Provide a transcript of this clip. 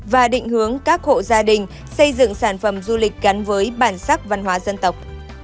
và định hướng các hộ gia đình xây dựng sản phẩm du lịch gắn với bản sắc văn hóa dân tộc